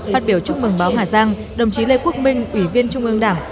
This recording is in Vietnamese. phát biểu chúc mừng báo hà giang đồng chí lê quốc minh ủy viên trung ương đảng